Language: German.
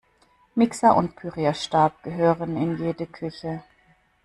Mixer und Pürierstab gehören in jede Küche.